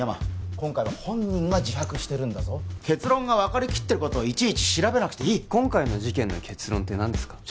今回は本人が自白してるんだぞ結論が分かりきってることをいちいち調べなくていい今回の事件の結論って何ですか？